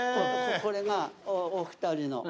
これがお二人の。